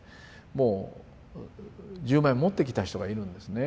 もう１０万円持ってきた人がいるんですね